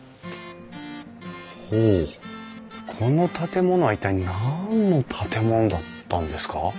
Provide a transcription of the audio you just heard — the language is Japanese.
ほうこの建物は一体何の建物だったんですか？